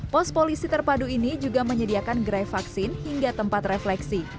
pos polisi terpadu ini juga menyediakan gerai vaksin hingga tempat refleksi